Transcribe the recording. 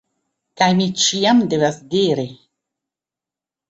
Kaj mi ĉiam devas diri